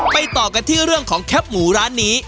ต่อกันที่เรื่องของแคปหมูร้านนี้